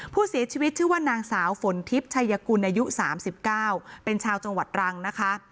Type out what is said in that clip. ผู้เสียชีวิตชื่อว่านางสาวฝนทิพย์ชัยกุลอายุ๓๙เป็นชาวจังหวัดรังนะคะ